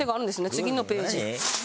次のページ。